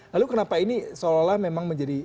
lalu kenapa ini seolah olah memang menjadi